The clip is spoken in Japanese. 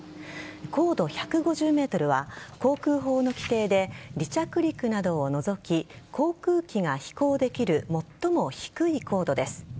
高度１５０ｍは航空法の規定で離着陸などを除き航空機が飛行できる最も低い高度です。